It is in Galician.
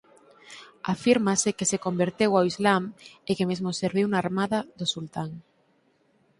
Afírmase que se converteu ao islam e que mesmo serviu na armada do sultán.